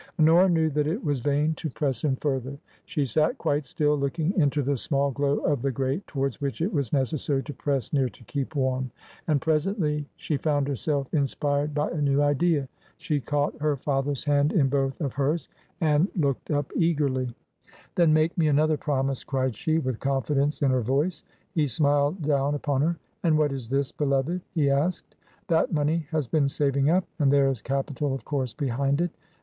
Honora knew that it was vain to press him further. She sat quite still, looking into the small glow of the grate towards which it was necessary to press near to keep warm. And presently she found herself inspired by a new idea. She caught her father's hand in both of hers and looked up eagerly. 27* 3i8 TRANSITION. "Then make me another promise," cried she, with confidence in her voice. He smiled down upon her. "And what is this, beloved ?" he asked. " That money has been saving up, and there is capital of course behind it.